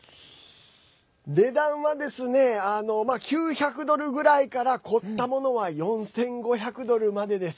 値段はですね９００ドルぐらいから凝ったものは４５００ドルまでです。